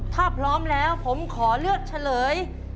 ถ้าพร้อมแล้วผมขอเลือกเฉลย